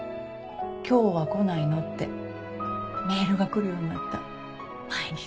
今日は来ないの？ってメールが来るようになった毎日。